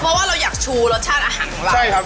เพราะว่าเราอยากชูรสชาติอาหารกลาย